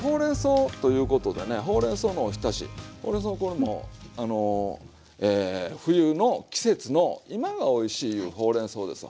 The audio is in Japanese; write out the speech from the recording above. ほうれんそうこれもう冬の季節の今がおいしいいうほうれんそうですわ。